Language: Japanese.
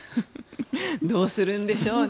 どうするんでしょうね。